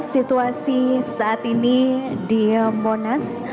situasi saat ini di monas